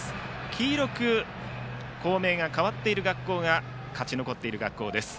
黄色く校名が変わっている学校が勝ち残っている学校です。